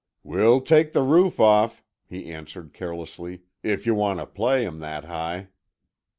"We'll take the roof off," he answered carelessly, "if yuh want to play 'em that high."